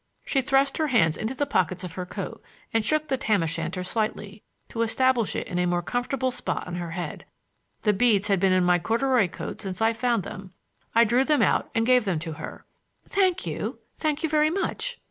She thrust her hands into the pockets of her coat and shook the tam o' shanter slightly, to establish it in a more comfortable spot on her head. The beads had been in my corduroy coat since I found them. I drew them out and gave them to her. "Thank you; thank you very much."